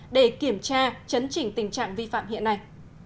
để kiểm tra chấn chỉnh tình trạng vi phạm hiện nay